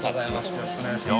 よろしくお願いします。